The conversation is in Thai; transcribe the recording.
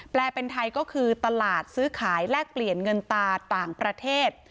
เป็นไทยก็คือตลาดซื้อขายแลกเปลี่ยนเงินตาต่างประเทศ